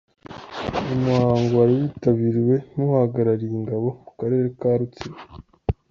Uyu muhango wari witabiriwe n'uhagarariye ingabo mu karere ka Rutsiro.